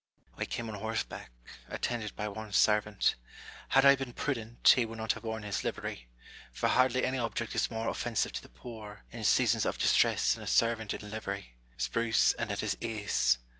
I came on horseback, attended by one servant. Had I been prudent, he would not have worn his livery; for hardly any object is more offensive to the poor, in sea sons of distress, than a servant in livery, spruce and at his ease.